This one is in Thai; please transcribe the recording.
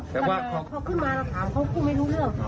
แต่เขาขึ้นมาเราถามเขาพูดไม่รู้เรื่องค่ะ